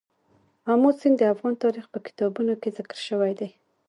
آمو سیند د افغان تاریخ په کتابونو کې ذکر شوی دي.